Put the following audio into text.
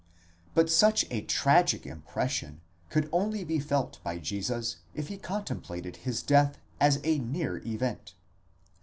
7 But such a tragical impression could only be felt by Jesus if he contemplated his death as a near event.